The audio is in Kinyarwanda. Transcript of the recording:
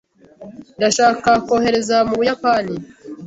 Ndashaka kohereza mu Buyapani.